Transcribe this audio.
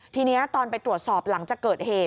ทีนี้ตอนไปตรวจสอบหลังจากเกิดเหตุ